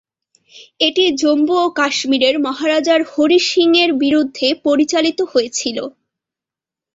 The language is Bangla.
এটি জম্মু ও কাশ্মীরের মহারাজার হরি সিংয়ের বিরুদ্ধে পরিচালিত হয়েছিল।